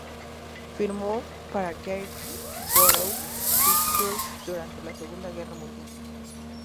Firmó para Gainsborough Pictures durante la Segunda Guerra Mundial.